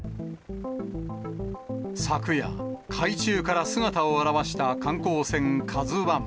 昨夜、海中から姿を現した観光船、ＫＡＺＵＩ。